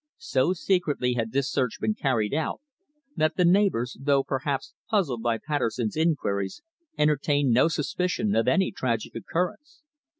So secretly had this search been carried out that the neighbours, though, perhaps, puzzled by Patterson's inquiries, entertained no suspicion of any tragic occurrence.